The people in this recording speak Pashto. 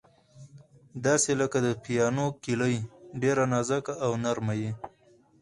داسې لکه د پیانو کیلۍ، ډېره نازکه او نرمه یې.